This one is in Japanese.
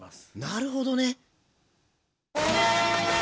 なるほどね。